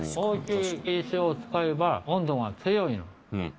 大きい石を使えば温度が強いの。